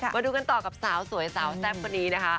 มาดูกันต่อกับสาวสวยสาวแซ่บคนนี้นะคะ